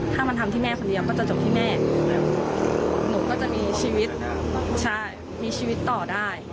ถ้ามันทำที่แม่คนเดียวก็จะจบที่แม่หนูก็จะมีชีวิตใช่มีชีวิตต่อได้